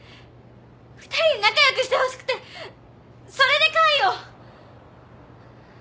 二人に仲よくしてほしくてそれで貝を！